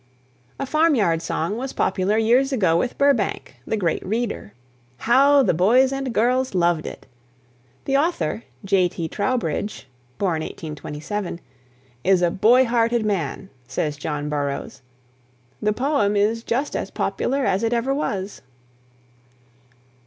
"A Farm Yard Song" was popular years ago with Burbank, the great reader. How the boys and girls loved it! The author, J.T. Trowbridge (1827 still living), "is a boy hearted man," says John Burroughs. The poem is just as popular as it ever was.